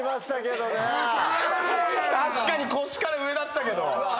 確かに腰から上だったけど。